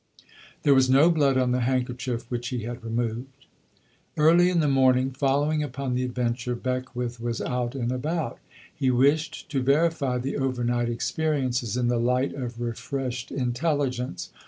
There was no blood on the handkerchief which he had removed. Early in the morning following upon the adventure Beckwith was out and about. He wished to verify the overnight experiences in the light of refreshed intelligence.